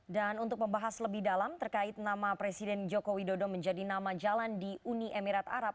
dan untuk membahas lebih dalam terkait nama presiden joko widodo menjadi nama jalan di uni emirat arab